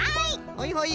はいはい。